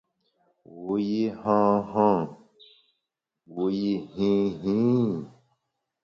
Wu yi han han wu yi hin hin ?